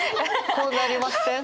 こうなりません？